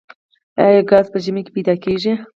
آیا ګاز په ژمي کې پیدا کیږي؟